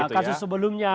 ya kasus sebelumnya